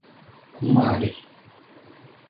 Umari